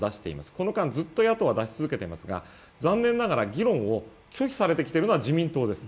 この間ずっと野党は出し続けていますが、残念ながら拒否しているのは自民党です。